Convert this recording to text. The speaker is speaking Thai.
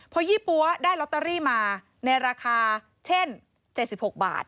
พอยี่ปั๊วได้ลอตเตอรี่มาในราคาเช่น๗๖บาท